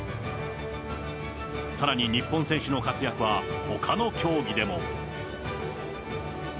さらに日本選手の活躍はほかの競技でも。